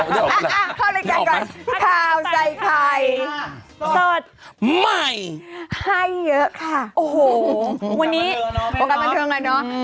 เข้าเลยกันก่อนขาวใส่ไทยสดใหม่ให้เยอะค่ะโอ้โหวันนี้โอกาสบันเทิงแล้วเนอะ